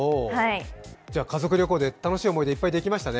家族旅行で楽しい思い出いっぱいできましたね。